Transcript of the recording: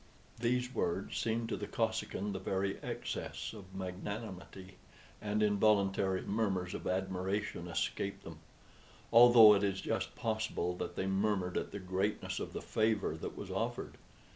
These words seemed to the Kosekin the very excess of magnanimity, and involuntary murmurs of admiration escaped them; although it is just possible that they murmured at the greatness of the favor that was offered.